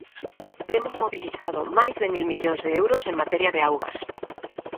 Temos mobilizado máis de mil millóns de euros en materia de augas.